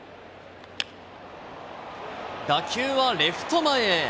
打球はレフト前へ。